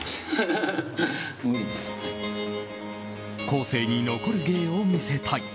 後世に残る芸を見せたい。